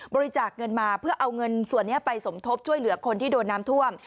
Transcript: บริจาคเงินมาเพื่อเอาเงินส่วนนี้ไปสมทบช่วยเหลือคนที่โดนน้ำท่วม